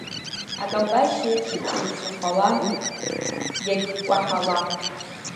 Акамбашь аиԥш иагьцәаӷәала, иагькәаҳала.